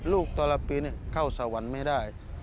ลูกธรรพีนี่เข้าสวรรค์ไม่ได้